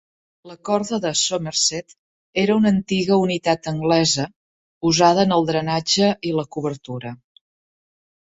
La corda de Somerset era una antiga unitat anglesa usada en el drenatge i la cobertura.